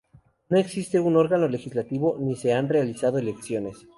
No existe un órgano Legislativo ni se han realizado elecciones.